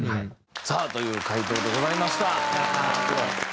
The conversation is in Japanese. さあという回答でございました。